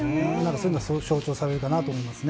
そういうのが象徴されるかなと思いますね。